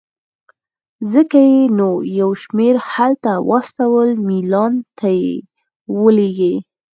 ځکه یې نو یو شمېر هلته واستول، میلان ته یې ولېږلې.